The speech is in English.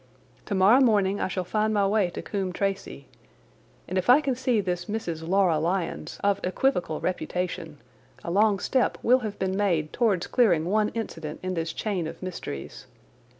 Tomorrow morning I shall find my way to Coombe Tracey, and if I can see this Mrs. Laura Lyons, of equivocal reputation, a long step will have been made towards clearing one incident in this chain of mysteries.